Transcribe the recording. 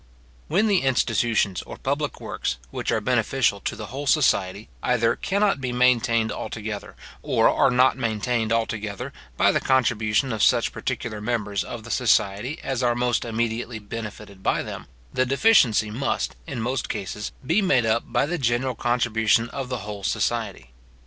When the institutions, or public works, which are beneficial to the whole society, either cannot be maintained altogether, or are not maintained altogether, by the contribution of such particular members of the society as are most immediately benefited by them; the deficiency must, in most cases, be made up by the general contribution of the whole society.